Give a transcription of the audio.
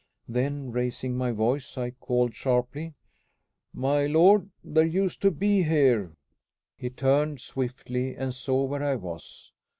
Then, raising my voice, I called sharply, "My lord, there used to be here " He turned swiftly, and saw where I was.